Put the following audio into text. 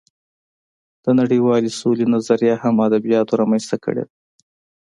د نړۍوالې سولې نظریه هم ادبیاتو رامنځته کړې ده